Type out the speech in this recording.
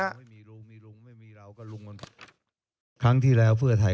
ไม่มีลุงไม่มีเราก็ลุงมัน